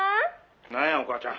「何やお母ちゃん」。